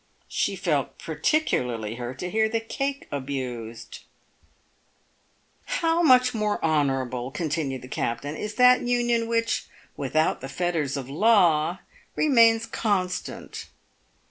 She felt particularly hurt to hear the cake abused. " How much more honourable," continued the captain, " is that union which, without the fetters of the law, remains constant."